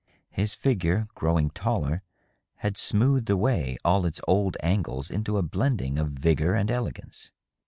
His figure, growing taller, had smoothed away all its old angles into a blending of vigor and elegance.